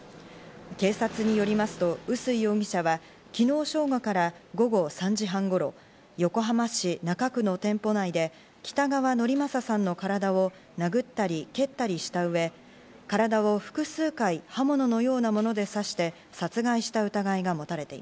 警察によりますと、臼井容疑者は昨日正午から午後３時半頃、横浜市中区の店舗内で北川典聖さんの体を殴ったり蹴ったりした上、体を複数回、刃物のようなもので刺して殺害した疑いが持たれてい